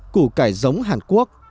củ cải giống hàn quốc